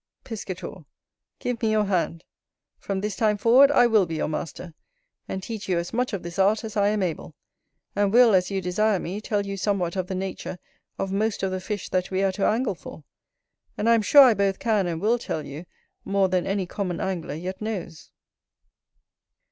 Piscator. Give me your hand; from this time forward I will be your Master, and teach you as much of this art as I am able; and will, as you desire me, tell you somewhat of the nature of most of the fish that we are to angle for, and I am sure I both can and will tell you more than any common angler yet knows.